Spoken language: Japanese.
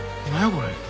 これ。